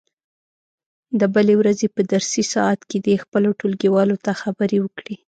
د بلې ورځې په درسي ساعت کې دې خپلو ټولګیوالو ته خبرې وکړي.